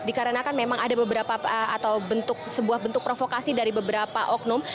dikarenakan memang ada beberapa atau bentuk sebuah bentuk provokasi dari beberapa oknum